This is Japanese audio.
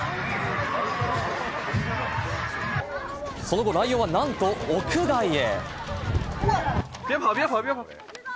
その後、ライオンはなんと屋外へ！